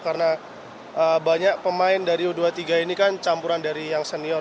karena banyak pemain dari u dua puluh tiga ini kan campuran dari yang senior